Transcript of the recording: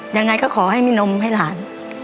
ยังไงก็ขอให้มีนมให้หลาน